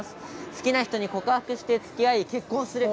好きな人に告白して、つきあい結婚する。